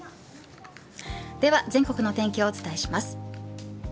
では全国の天気をお伝えします。